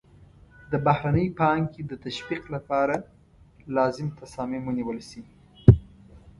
د بهرنۍ پانګې د تشویق لپاره لازم تصامیم ونیول شي.